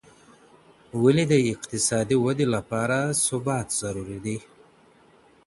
ولي د اقتصادي ودي لپاره ثبات ضروري دى؟